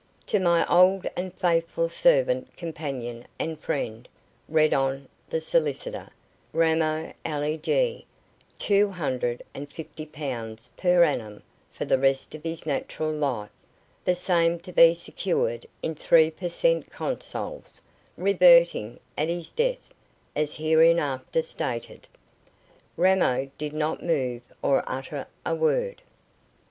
"To my old and faithful servant, companion, and friend," read on the solicitor "Ramo Ali Jee, two hundred and fifty pounds per annum for the rest of his natural life; the same to be secured in Three per cent Consols, reverting at his death as hereinafter stated." Ramo did not move or utter a word.